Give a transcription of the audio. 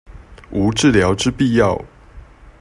無治療之必要